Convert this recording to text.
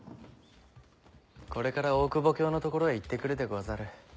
これから大久保卿の所へ行って来るでござる。